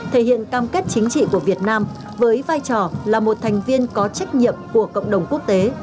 thể hiện cam kết chính trị của việt nam với vai trò là một thành viên có trách nhiệm của cộng đồng quốc tế